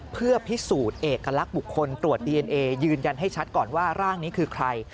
เพื่อพิสูจน์เอกลักษณ์บุคคลตรวจดีเอ็นเอยืนยันให้ชัดก่อนว่าร่างนี้คือใคร